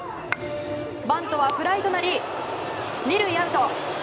バントはフライとなり２塁アウト。